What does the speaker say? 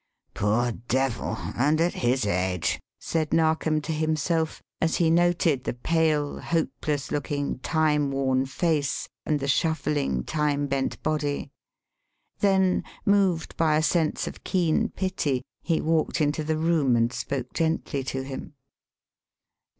"Poor devil! And at his age!" said Narkom to himself, as he noted the pale, hopeless looking, time worn face and the shuffling, time bent body; then, moved by a sense of keen pity, he walked into the room and spoke gently to him.